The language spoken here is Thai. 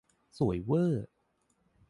สวยเว่อ